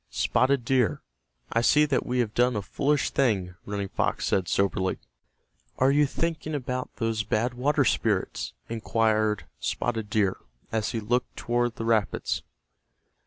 "Spotted Deer, I see that we have done a foolish thing," Running Fox said, soberly. "Are you thinking about those Bad Water Spirits?" inquired Spotted Deer, as he looked toward the rapids.